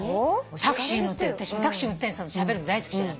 タクシー乗って私タクシーの運転手さんとしゃべるの大好きじゃない？